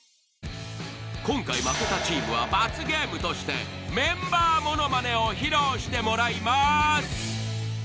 今回負けたチームは罰ゲームとしてメンバーものまねを披露してもらいます